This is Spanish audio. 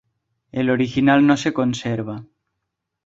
El original no se conserva.